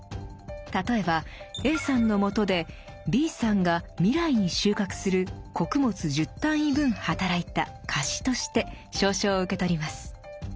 例えばＡさんのもとでＢさんが未来に収穫する「穀物１０単位分」働いた「貸し」として「証書」を受け取ります。